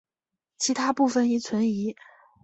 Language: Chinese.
其他部分亦存疑。